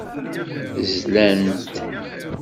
Zlan-t.